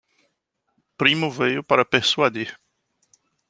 Primo veio para persuadir